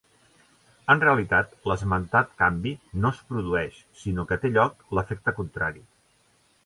En realitat l'esmentat canvi no es produeix, sinó que té lloc l'efecte contrari.